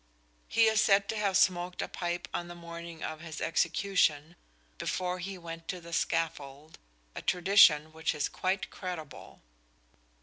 He is said to have smoked a pipe on the morning of his execution, before he went to the scaffold, a tradition which is quite credible.